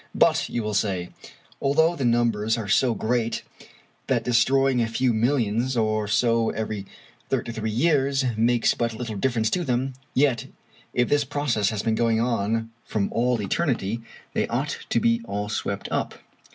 But, you will say, although the numbers are so great that destroying a few millions or so every thirty three years makes but little difference to them, yet, if this process has been going on from all eternity, they ought to be all swept up.